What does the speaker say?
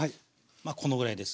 このぐらいです。